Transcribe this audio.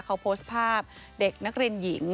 เขาโพสต์ภาพเด็กนักเรียนหญิง